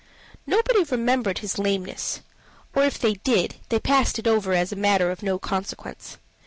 Nobody remembered his lameness or, if they did, they passed it over as a matter of no consequence.